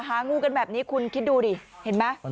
หางูกันแบบนี้คุณคิดดูดิเห็นไหม